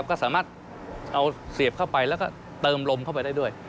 ก็สามารถเอาเสียบเข้าไปแล้วก็เติมลมเข้าไปได้ด้วย